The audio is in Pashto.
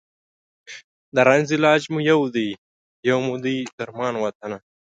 د رنځ علاج مو یو دی، یو مو دی درمان وطنه